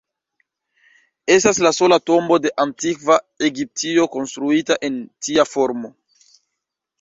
Estas la sola tombo de antikva Egiptio konstruita en tia formo.